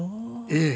ええ。